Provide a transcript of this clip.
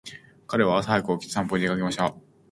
彼は朝早く起きて散歩に出かけました。